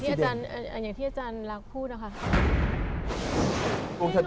ใช่ค่ะอย่างที่อาจารย์คงอยากพูดอะ